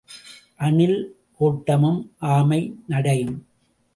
அணில் ஓட்டமும் ஆமை நடையும்.